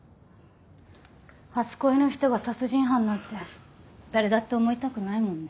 初恋の人が殺人犯なんて誰だって思いたくないもんね。